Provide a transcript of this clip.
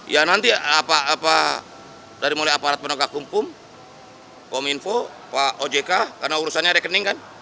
ya nanti apa dari mulai aparat penegak hukum kominfo pak ojk karena urusannya rekening kan